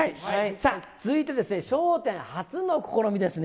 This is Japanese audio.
さあ、続いて、笑点初の試みですね。